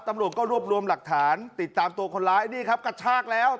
ตำรวจก็รวบรวมหลักฐานติดตามตัวคนร้ายนี่ครับกระชากแล้ว